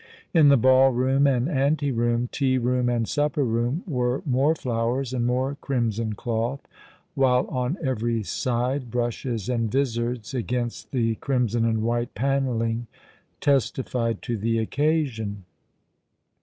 In the ball room and ante room, tea room and supper room, were more flowers, and more crimson cloth, while on every side brushes and vizards against the crimson and white panelling testified to the occasion.